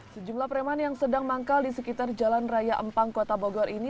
sejumlah preman yang sedang manggal di sekitar jalan raya empang kota bogor ini